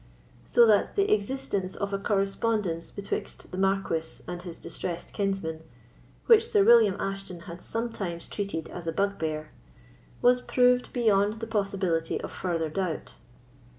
So that the existence of a correspondence betwixt the Marquis and his distressed kinsman, which Sir William Ashton had sometimes treated as a bugbear, was proved beyond the possibility of further doubt.